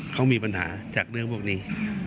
เขามีปัญหาจากเรื่องพวกนี้